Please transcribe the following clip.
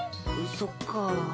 そっか。